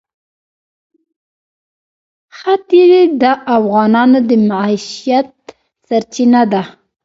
ښتې د افغانانو د معیشت سرچینه ده.